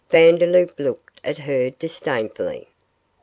Vandeloup looked at her disdainfully.